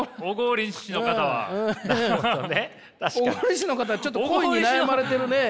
小郡市の方はちょっと恋に悩まれてるね。